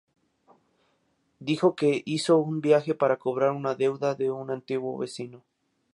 Dijo que hizo un viaje para cobrar una deuda de un antiguo vecino.